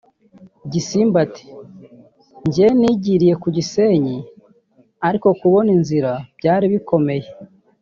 Gisimba ati “Njye nigiriye ku Gisenyi ariko kubona inzira byari bikomeye